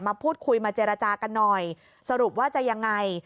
มาพูดคุยมาเจรจากันหน่อยสรุปว่าจะยังไง